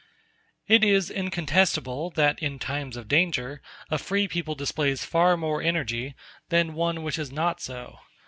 It is incontestable that in times of danger a free people displays far more energy than one which is not so.